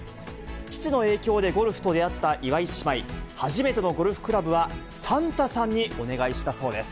父の影響でゴルフと出会った岩井姉妹、初めてのゴルフクラブは、サンタさんにお願いしたそうです。